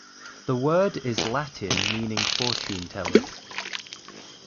The word is Latin meaning fortune tellers.